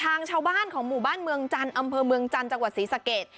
ทางชาวบ้านของหมู่บ้านเมืองจันทร์อำเภอเมืองจันทร์จังหวัดศรีสะเกด